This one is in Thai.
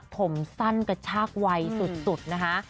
ผมสั้นกระชากวัยสุดนะคะ